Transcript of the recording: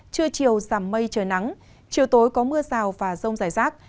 trưa chiều giảm mây trời nắng chiều tối có mưa rào và rông rải rác